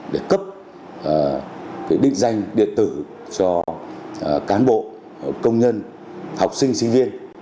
để cấp định danh điện tử cho cán bộ công nhân học sinh sinh viên